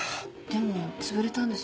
でもつぶれたんですよね？